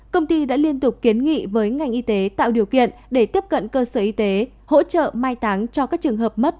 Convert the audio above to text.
công ty đã liên tục kiến nghị với ngành y tế tạo điều kiện để tiếp cận cơ sở y tế hỗ trợ mai táng cho các trường hợp mất